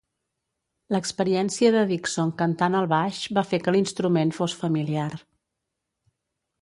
L'experiència de Dixon cantant el baix va fer que l'instrument fos familiar.